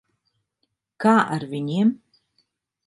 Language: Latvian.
Kā ar viņiem?